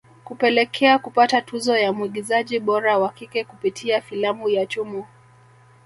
Kupelekea kupata tuzo ya mwigizaji bora wa kike kupitia filamu ya Chumo